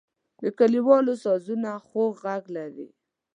د کلیوالو سازونه خوږ غږ لري.